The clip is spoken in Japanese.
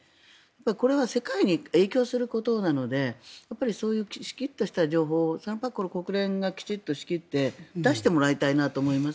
これが世界に影響することなのでそういうきちっとした情報を国連がきちんと仕切って出してもらいたいと思います。